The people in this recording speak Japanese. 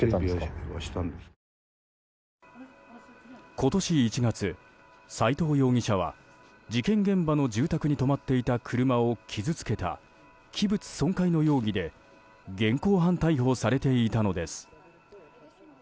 今年１月、斎藤容疑者は事件現場の住宅に止まっていた車を傷つけた器物損壊の容疑で現行犯逮捕されていたのです。